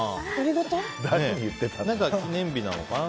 何か記念日なのかな？